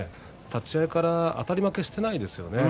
立ち合いからあたり負けしてないですね。